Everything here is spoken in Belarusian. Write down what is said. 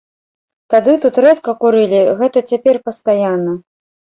Тады тут рэдка курылі, гэта цяпер пастаянна.